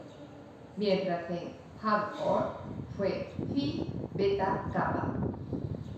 Mientras en Haverford, fue Phi Beta Kappa.